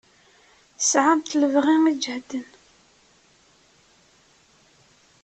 Tesɛamt lebɣi ijehden.